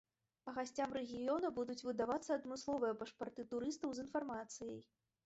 Гасцям рэгіёна будуць выдавацца адмысловыя пашпарты турыстаў з інфармацыяй.